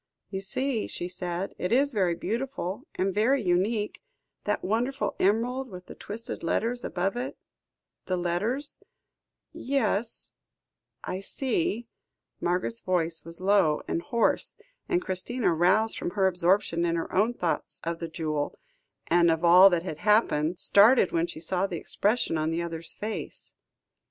"You see," she said, "it is very beautiful and very unique; that wonderful emerald, with the twisted letters above it; the letters " "Yes I see," Margaret's voice was low and hoarse, and Christina, roused from her absorption in her own thoughts of the jewel, and of all that had happened, started when she saw the expression on the other's face.